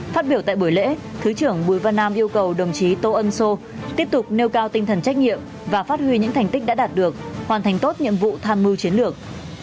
phát biểu tại buổi lễ thứ trưởng bùi văn nam yêu cầu đồng chí tô ân sô tiếp tục nêu cao tinh thần trách nhiệm và phát huy những thành tích đã đạt được hoàn thành tốt nhiệm vụ tham mưu chiến lược